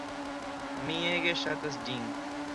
Mi ege ŝatas ĝin.